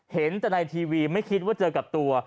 เห็นแต่ในทีวีไม่คิดว่าเจอกับตัว